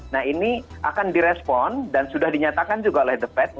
nah ini akan direspon dan sudah dinyatakan juga oleh the fed